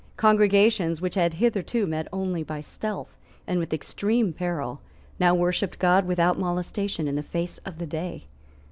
Congregations, which had hitherto met only by stealth and with extreme peril, now worshipped God without molestation in the face of day.